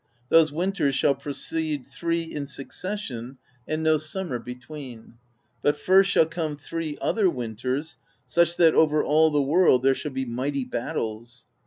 Those winters shall proceed three in succession, and no summer between; but first shall come three other winters, such that over all the world there shall be mighty battles.